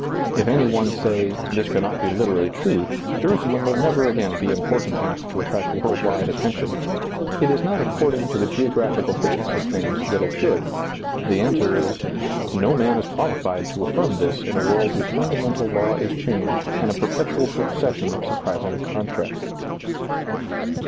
If any one say, this cannot be literally true; Jerusalem will never again be important enough to attract world wide attention ; it is not according to the geographical fitness of things that it should ; the answer is, " no man is qualified ^lailizccbvGoOgle A NEW YEAR SERMON 8i to affirm this in a world whose fundamental law is change and a perpetual procession of surprising contrasts."